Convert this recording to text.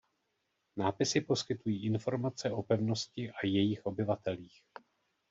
Nápisy poskytují informace o pevnosti a jejích obyvatelích.